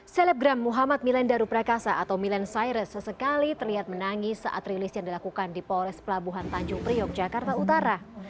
selebgram muhammad milen daru prakasa atau milen cyrus sesekali terlihat menangis saat rilis yang dilakukan di polres pelabuhan tanjung priok jakarta utara